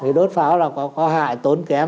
thì đốt pháo là có hại tốn kém